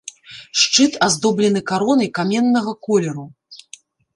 Шчыт аздоблены каронай каменнага колеру.